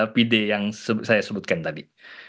pd yang saya sebutkan tadi